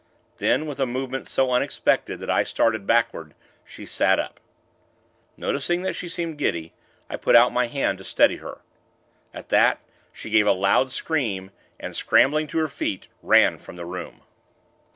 Then, with a movement so unexpected that I started backward, she sat up. Noticing that she seemed giddy, I put out my hand to steady her. At that, she gave a loud scream, and, scrambling to her feet, ran from the room.